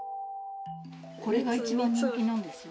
これが一番人気なんですよ。